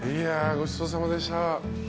ごちそうさまでした。